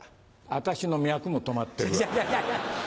私の脈も止まってるわ。